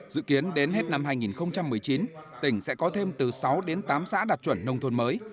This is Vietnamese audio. dự kiến đến hết năm hai nghìn một mươi chín tỉnh sẽ có thêm từ sáu đến tám xã đạt chuẩn nông thôn mới